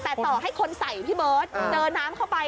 แต่ต่อให้คนใส่พี่เบิร์ตเจอน้ำเข้าไป